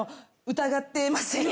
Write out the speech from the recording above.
疑ってますよね？